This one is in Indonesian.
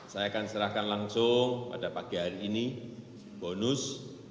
saya akan serahkan langsung pada pagi hari ini bonus